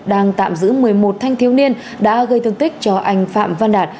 đang tạm giữ một mươi một thanh thiếu niên đã gây thương tích cho anh phạm văn đạt